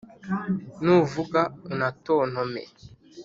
nuvuga unatontome